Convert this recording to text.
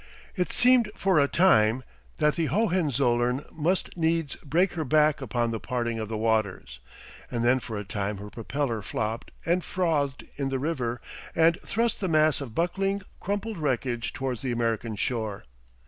It seemed for a time that the Hohenzollern must needs break her back upon the Parting of the Waters, and then for a time her propeller flopped and frothed in the river and thrust the mass of buckling, crumpled wreckage towards the American shore.